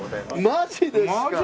マジですか！？